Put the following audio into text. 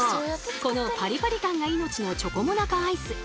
このパリパリ感が命のチョコモナカアイス！